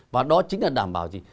và đó chính là đảm bảo gì